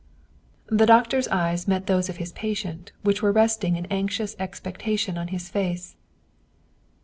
The doctor's eyes met those of his patient, which were resting in anxious expectation on his face.